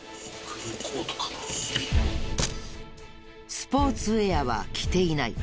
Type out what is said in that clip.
スポーツウェアは着ていない。